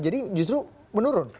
jadi justru menurun